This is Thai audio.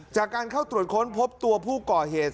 จากการเข้าตรวจค้นพบตัวผู้ก่อเหตุ